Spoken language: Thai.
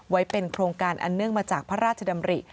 ไว้เป็นโครงการอันเนื่องมาจากพระราชดำริ